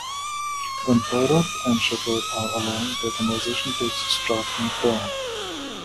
When Poirot and Sheppard are alone, their conversation takes a startling turn.